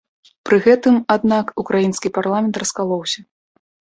Пры гэтым, аднак, украінскі парламент раскалоўся.